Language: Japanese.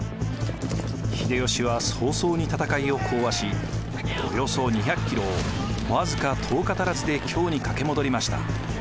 秀吉は早々に戦いを講和しおよそ２００キロを僅か１０日足らずで京に駆け戻りました。